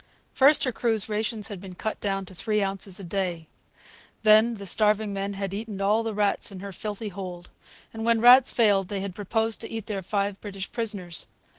First her crew's rations had been cut down to three ounces a day. Then the starving men had eaten all the rats in her filthy hold; and when rats failed they had proposed to eat their five British prisoners.